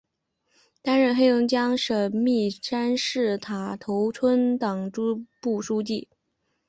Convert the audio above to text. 担任黑龙江省密山市塔头村党支部书记。